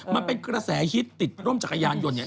มันเป็นกระแสฮิตติดร่มจักรยานยนต์เนี่ย